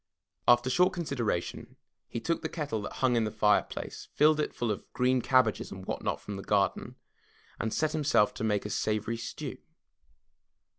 After short consideration, he took the kettle that hung in the fireplace, filled it full of green cabbages and what not from the garden and set himself to make a savory stew.